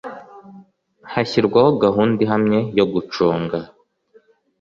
hashyirwaho Gahunda ihamye yo Gucunga